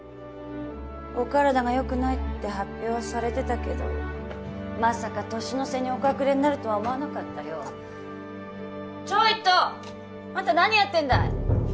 お体がよくないって発表はされてたけどまさか年の瀬におかくれになると思わなかったよちょいとあんた何やってんだい！